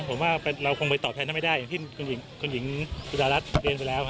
ผมว่าเราคงไปตอบแทนท่านไม่ได้อย่างที่คุณหญิงสุดารัฐเรียนไปแล้ว